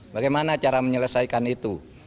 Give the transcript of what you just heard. bagaimana cara menyelesaikan itu